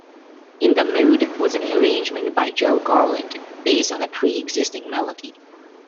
"In the Mood" was an arrangement by Joe Garland based on a pre-existing melody.